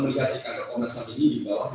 melihat di kantor komnas ham ini di bawah